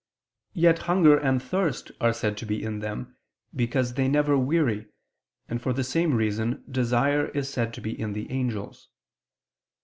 Yet hunger and thirst are said to be in them because they never weary, and for the same reason desire is said to be in the angels.